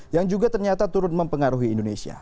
yang juga ternyata turut mempengaruhi indonesia